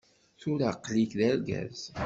Tura aql-ik d argaz.